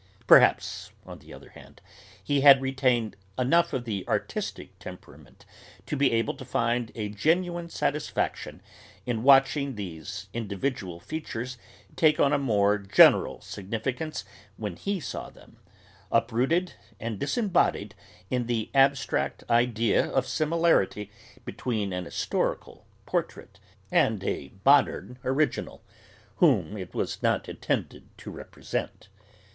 Perhaps, on the other hand, he had retained enough of the artistic temperament to be able to find a genuine satisfaction in watching these individual features take on a more general significance when he saw them, uprooted and disembodied, in the abstract idea of similarity between an historic portrait and a modern original, whom it was not intended to represent.